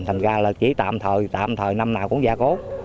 thành ra là chỉ tạm thời tạm thời năm nào cũng gia cố